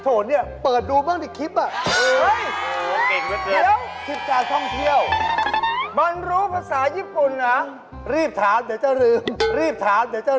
โอ้โฮสวัสดีค่ะที่สุดเนี่ยเปิดดูบ้างที่คลิปว่ะ